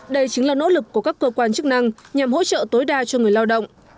đây chính là nỗ lực của các cơ quan chức năng nhằm hỗ trợ tối đa cho người lao động